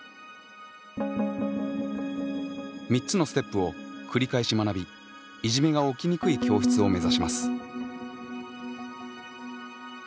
３つのステップを繰り返し学びいじめが起きにくい教室を目指します。